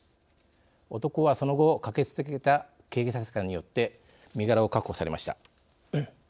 男はその後駆けつけた警察官によって身柄を確保されました。